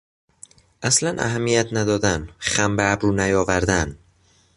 اصلا اهمیت ندادن، خم به ابرو نیاوردن